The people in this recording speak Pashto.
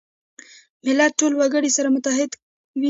ملت ټول وګړي سره متحد وي.